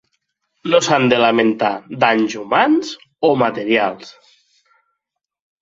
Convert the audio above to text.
No s’han de lamentar danys humans o materials.